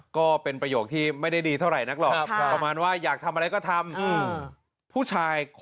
ก็เป็นประโยคที่ไม่ได้ดีเท่าไหร่นะหรอก